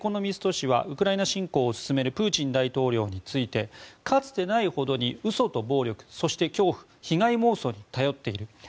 誌はウクライナ侵攻を進めるプーチン大統領についてかつてないほどに嘘と暴力そして恐怖、被害妄想に頼っている。